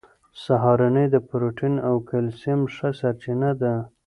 سهارنۍ د پروټین او کلسیم ښه سرچینه ده.